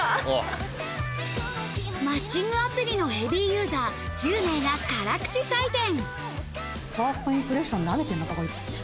マッチングアプリのヘビーユーザー１０名が辛口採点。